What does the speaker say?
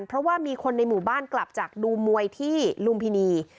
เพราะว่ามีคนในหมู่บ้านกลับจากดูมวยที่ลุมพินี